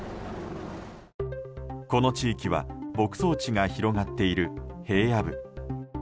この地域は牧草地が広がっている平野部。